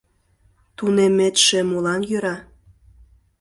— Тунемметше молан йӧра?